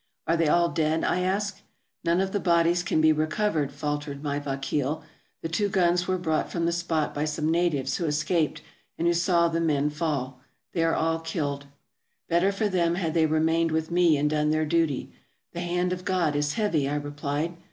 "Are they all dead?" I asked. "None of the bodies can be recovered," faltered my vakeel. " The two guns were brought from the spot by some natives who escaped, and who saw the men fall. They are all killed." 4 ' Better for them had they remained with me and done their duty. The hand of God is heavy," I replied.